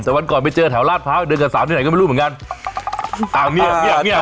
แต่วันก่อนไปเจอแถวลาดพร้าวเดินกับสามที่ไหนก็ไม่รู้เหมือนกันอ่างเงียบเงียบเงียบ